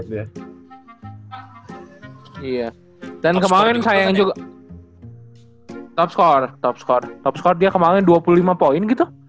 ya dan kemarin sayang juga topscore topscore topscore dia kemarin dua puluh lima poin gitu